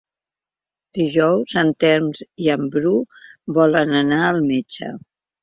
Dijous en Telm i en Bru volen anar al metge.